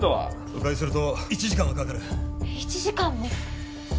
迂回すると１時間はかかる１時間も？